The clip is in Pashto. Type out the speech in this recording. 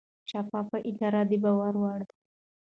شفافه اداره د باور وړ وي.